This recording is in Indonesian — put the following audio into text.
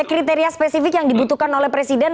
kriteria spesifik yang dibutuhkan oleh presiden